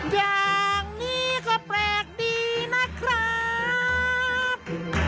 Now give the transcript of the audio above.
อย่างนี้ก็แปลกดีนะครับ